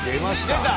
出た！